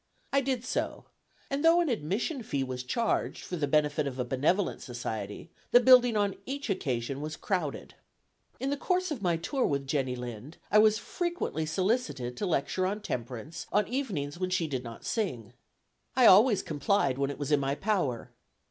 I did so; and though an admission fee was charged for the benefit of a benevolent society, the building on each occasion was crowded. In the course of my tour with Jenny Lind, I was frequently solicited to lecture on temperance on evenings when she did not sing. I always complied when it was in my power.